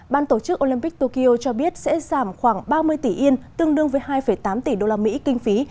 ban tổ chức olympic tokyo cho biết sẽ giảm khoảng ba mươi tỷ yên tương đương với hai tám tỷ usd kinh phí